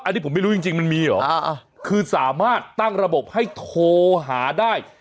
อันนี้ผมไม่รู้จริงมันมีเหรอคือสามารถตั้งระบบให้โทรหาได้